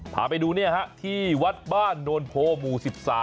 พาไปดูที่วัดบ้านโนนโพหมู่๑๓